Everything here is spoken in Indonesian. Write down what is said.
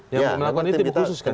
yang melakukan ini tim khusus kan